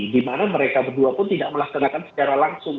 dimana mereka berdua pun tidak melaksanakan secara langsung